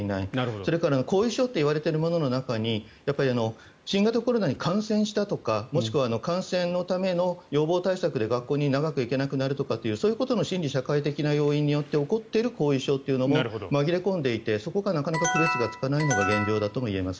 それから後遺症といわれているものの中に新型コロナに感染したとかもしくは感染のための予防対策で学校に長く行けなくなるというそういうことの心理社会的な要因の中で起こっている後遺症というのも紛れ込んでいてそこがなかなか区別がつかないのが現状だと思います。